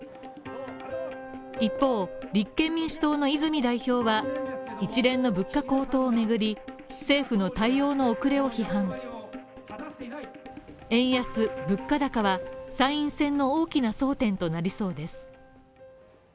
一方、立憲民主党の泉代表は一連の物価高騰を巡り政府の対応の遅れを批判円安物価高は、参院選の大きな争点となりそうです。